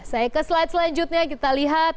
saya ke slide selanjutnya kita lihat